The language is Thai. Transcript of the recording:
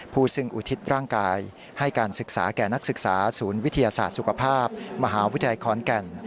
ซึ่งอุทิศร่างกายให้การศึกษาแก่นักศึกษาศูนย์วิทยาศาสตร์สุขภาพมหาวิทยาลัยขอนแก่น